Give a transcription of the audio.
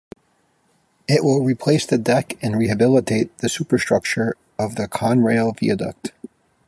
It will replace the deck and rehabilitate the superstructure of the Conrail Viaduct.